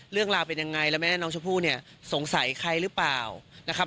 เรื่องราวเป็นยังไงแล้วแม่น้องชมพู่เนี่ยสงสัยใครหรือเปล่านะครับ